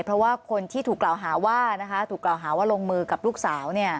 เพราะว่าคนที่ถูกกล่าวหาว่าถูกกล่าวหาว่าลงมือกับลูกสาว